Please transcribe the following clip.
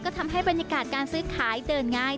ก็ทำให้บรรยากาศการซื้อขายเดินง่าย